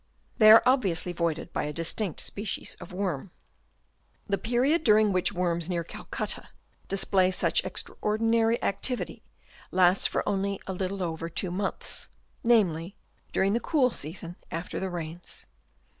They are obviously voided by a distinct species of worms. The period during which worms near Calcutta display such extraordinary activity lasts for only a little over two months, namely, during the cool season after the rains.